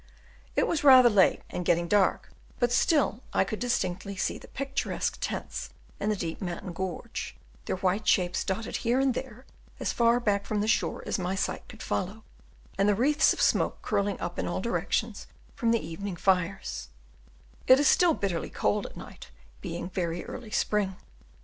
It was rather late, and getting dark, but still I could distinctly see the picturesque tents in the deep mountain gorge, their white shapes dotted here and there as far back from the shore as my sight could follow, and the wreaths of smoke curling up in all directions from the evening fires: it is still bitterly cold at night, being very early spring.